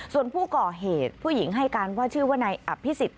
ส่วนผู้ก่อเหตุผู้หญิงให้การว่าชื่อว่านายอภิษฎ